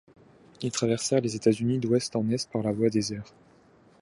Ils traversèrent les États-Unis d'ouest en est par la voie des airs.